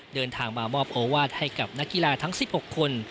เดินทางมามอบโอวาสให้กับนักกีฬาทั้ง๑๖คน